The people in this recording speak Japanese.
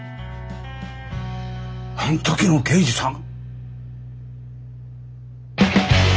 あん時の刑事さん！？